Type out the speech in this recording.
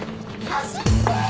走って！